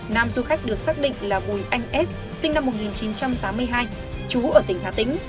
nam du khách được xác định là bùi anh s sinh năm một nghìn chín trăm tám mươi hai chú ở tỉnh hà tĩnh